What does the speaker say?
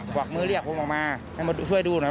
หวักมือเรียกผมลงมามาช่วยดูหน่อย